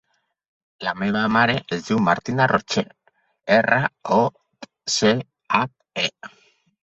La meva mare es diu Martina Roche: erra, o, ce, hac, e.